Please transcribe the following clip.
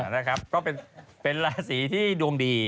นะครับก็เป็นราศีที่ดวงดี